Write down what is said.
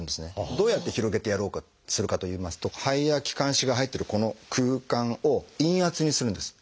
どうやって広げてやろうとするかといいますと肺や気管支が入ってるこの空間を陰圧にするんです。